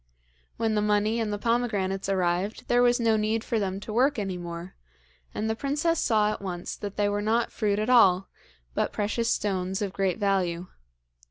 When the money and the pomegranates arrived there was no need for them to work any more, and the princess saw at once that they were not fruit at all, but precious stones of great value.